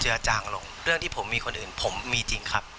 จางลงเรื่องที่ผมมีคนอื่นผมมีจริงครับ